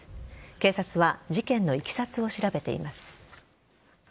警察は事件のいきさつを調べています。